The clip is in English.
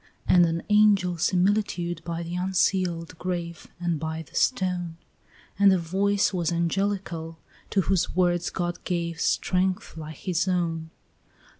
And an angel's similitude by the unsealed grave, And by the stone: And the voice was angelical, to whose words God gave Strength like his own.